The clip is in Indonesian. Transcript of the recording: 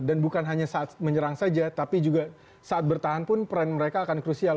dan bukan hanya saat menyerang saja tapi juga saat bertahan pun peran mereka akan krusial